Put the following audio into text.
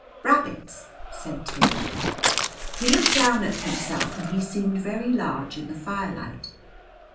"Rabbits!" said Tish. He looked down at himself and he seemed very large in the firelight.